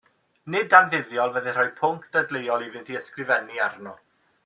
Nid anfuddiol fyddai rhoi pwnc dadleuol iddynt i ysgrifennu arno.